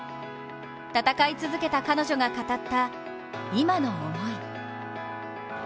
戦い続けた彼女が語った今の思い。